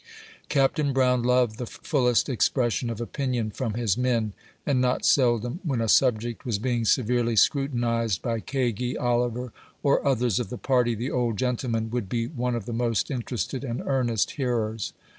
Captain Brown loved the fullest expression of opinion from his men, and not seldom, when a subject was being severely scrutinized by Kagi, Oliver, or others of the party, the old gentleman would be one of the most interested and earnest hearers.